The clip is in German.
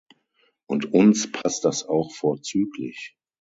Und uns passt das auch vorzüglich.